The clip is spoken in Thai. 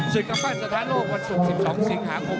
สิ่งกับบ้านสถานโลกวันศุกร์๑๒สิงหาคม